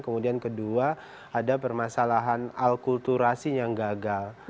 kemudian kedua ada permasalahan alkulturasi yang gagal